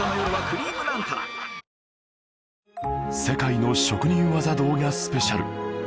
世界の職人技動画スペシャル